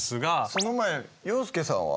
その前に洋輔さんは？